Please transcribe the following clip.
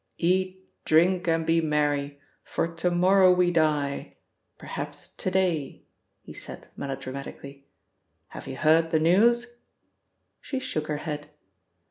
"Eat, drink, and be merry, for to morrow we die; perhaps to day," he said melodramatically. "Have you heard the news?" She shook her head.